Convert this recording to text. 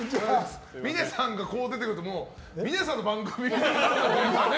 峰さんがこう出てくると峰さんの番組みたいなね。